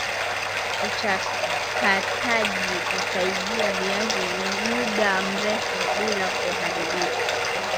Uchakataji husaidia viazi muda mrefu bila kuharibika